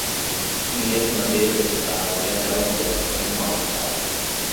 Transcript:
Vinhedo na beira da estrada e janela mulher estão em mau estado.